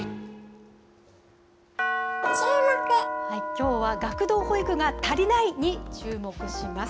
きょうは学童保育が足りない！にチューモクします。